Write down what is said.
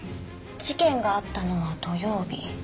事件があったのは土曜日。